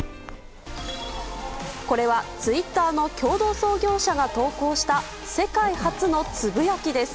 これはツイッターの共同創業者が投稿した世界初のつぶやきです。